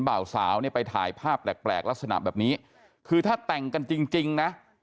บ่าวสาวเนี่ยไปถ่ายภาพแปลกลักษณะแบบนี้คือถ้าแต่งกันจริงจริงนะ